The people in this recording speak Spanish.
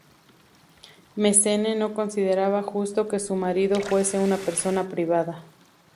Mesene no consideraba justo que su marido fuese una persona privada.